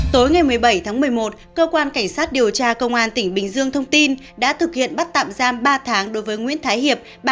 tối ngày một mươi bảy tháng một mươi một cơ quan cảnh sát điều tra công an tỉnh bình dương thông tin đã thực hiện bắt tạm giam ba tháng đối với nguyễn thái hiệp